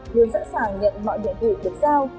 lương sẵn sàng nhận mọi nhiệm vụ được giao